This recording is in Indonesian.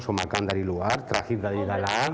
so makan dari luar terakhir dari dalam